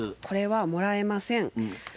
これはもらえません。